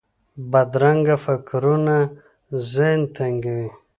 بدرنګه فکرونه ذهن تنګوي